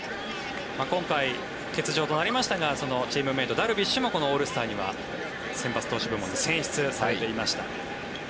今回、欠場となりましたがチームメート、ダルビッシュもこのオールスターには先発投手軍に選出されていました。